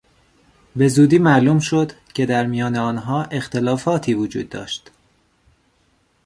به زودی معلوم شد که در میان آنها اختلافاتی وجود داشت.